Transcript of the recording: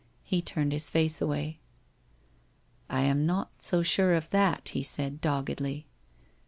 He turned his face away. ' I am not so sure of that,' he said doggedly.